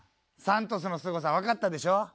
三都主のすごさわかったでしょ？